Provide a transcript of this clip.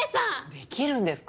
できるんですか？